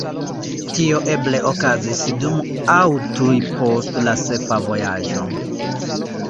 Tio eble okazis dum aŭ tuj post la sepa vojaĝo.